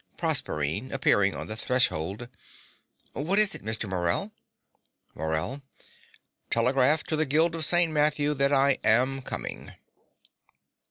PROSERPINE (appearing on the threshold). What is it, Mr. Morell? MORELL. Telegraph to the Guild of St. Matthew that I am coming.